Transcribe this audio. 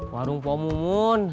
warung pomo mun